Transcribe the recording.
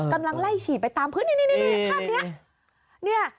กำลังไล่ฉีดไปตามพื้นนี่ภาพนี้